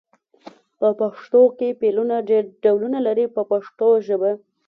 په پښتو کې فعلونه ډېر ډولونه لري په پښتو ژبه.